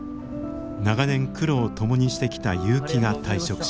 長年苦労を共にしてきた結城が退職しました。